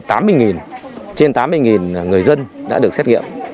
trên tám mươi người dân đã được xét nghiệm